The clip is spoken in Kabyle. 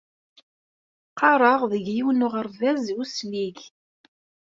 Qqareɣ deg yiwen n uɣerbaz uslig.